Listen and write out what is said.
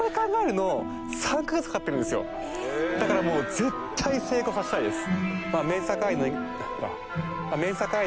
実際これだからもう絶対成功させたいです